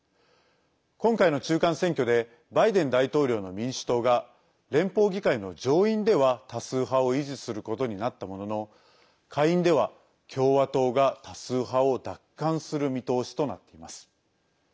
今回の中間選挙でバイデン大統領の民主党が連邦議会の上院では多数派を維持することになったものの下院では共和党が多数派を奪還する見通しとなっています。